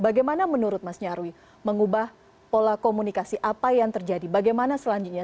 bagaimana menurut mas nyarwi mengubah pola komunikasi apa yang terjadi bagaimana selanjutnya